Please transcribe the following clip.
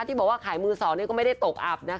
ที่บอกว่าขายมือสองก็ไม่ได้ตกอับนะ